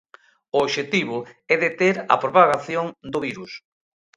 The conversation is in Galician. O obxectivo é deter a propagación do virus.